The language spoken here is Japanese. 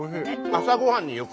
朝ごはんによく。